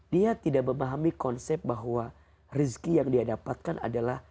dia tidak memahami konsep bahwa rizki yang dia dapatkan adalah